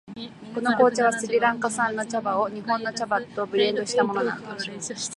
この紅茶はスリランカ産の茶葉を日本の茶葉とブレンドしたものなんだ。